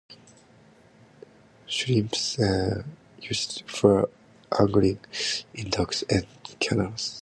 Shrimps are used for angling in docks and canals.